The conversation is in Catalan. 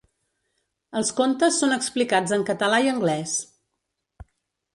Els contes són explicats en català i anglès.